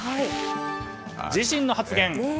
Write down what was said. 自身の発言